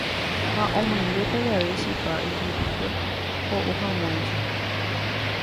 Ha omoingéta jave chipa ijurúpe ho'u hag̃uáicha.